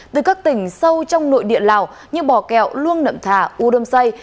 từ các tỉnh sâu trong nội địa lào như bò kẹo luông nậm thà u đâm xây